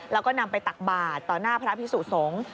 แล้วก็นำไปตักบาทต่อหน้าพระพิสุสงฆ์